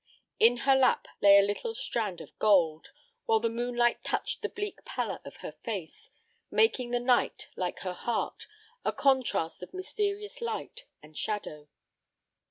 In her lap lay a little strand of gold, while the moonlight touched the bleak pallor of her face, making the night, like her heart, a contrast of mysterious light and shadow.